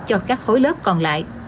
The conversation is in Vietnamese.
cho các khối lớp còn lại